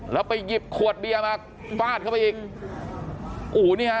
แล้วไปหยิบขวดเบียร์มาฟาดเข้าไปอีกโอ้โหนี่ฮะ